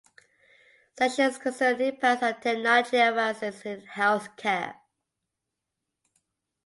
Sessions concern impacts of technology advances in healthcare.